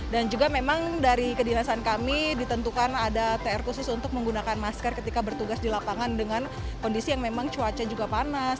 dan juga memang dari kedinasan kami ditentukan ada tr khusus untuk menggunakan masker ketika bertugas di lapangan dengan kondisi yang memang cuaca juga panas